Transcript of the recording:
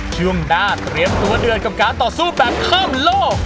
ช่วงหน้าเตรียมตัวเดือดกับการต่อสู้แบบข้ามโลก